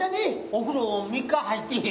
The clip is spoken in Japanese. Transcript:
お風呂３日入ってへん。